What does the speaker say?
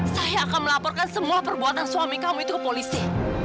saya akan melaporkan semua perbuatan suami kamu itu ke polisi